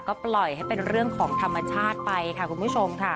ก็ปล่อยให้เป็นเรื่องของธรรมชาติไปค่ะคุณผู้ชมค่ะ